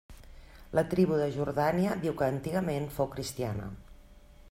La tribu de Jordània diu que antigament fou cristiana.